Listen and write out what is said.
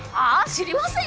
知りませんよ